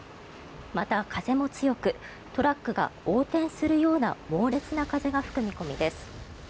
また、風も強くトラックが横転するような猛烈な風が吹く見込みです。